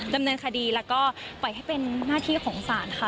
ดำเนินคดีแล้วก็ปล่อยให้เป็นหน้าที่ของศาลค่ะ